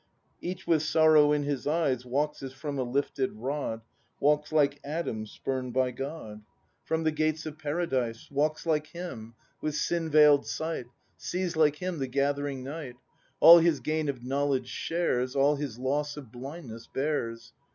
Each with sorrow in his eyes, Walks as from a lifted rod. Walks like Adam spurn 'd by God 80 BRAND [ACT ii From the gates of Paradise, — Walks like him, with sin veil'd sight, — Sees, like him, the gathering night. All his gain of knowledge shares. All his loss of blindness bears.